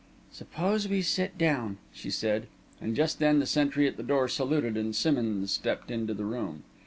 "Suppose we sit down," she said, and just then the sentry at the door saluted and Simmonds stepped into the room.